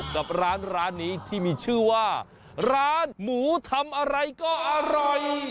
กับร้านนี้ที่มีชื่อว่าร้านหมูทำอะไรก็อร่อย